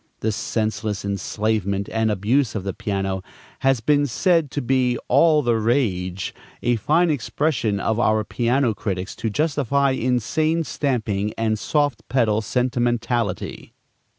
This senseless enslavement and abuse of the piano has been said to be "all the rage;" a fine expression of our piano critics to justify insane stamping and soft pedal sentimentality.